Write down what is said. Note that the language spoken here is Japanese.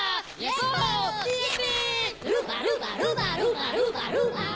ルバルバルバルバルバルバ！